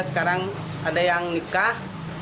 sekarang ada yang nikah